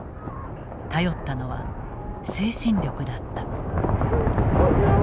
頼ったのは精神力だった。